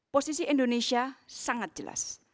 posisi indonesia sangat jelas